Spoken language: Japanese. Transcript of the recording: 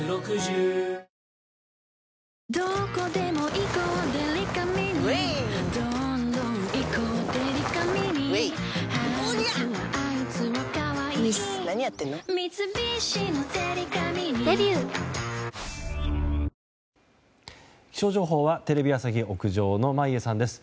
いいじゃないだって気象情報はテレビ朝日屋上の眞家さんです。